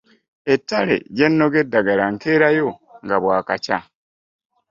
Ettale gye nnoga eddagala nkeerayo nga bwakakya.